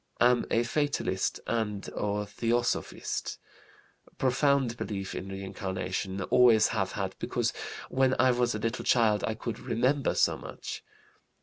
Am a fatalist and a theosophist. Profound belief in reincarnation, always have had, because when I was a little child I could 'remember' so much.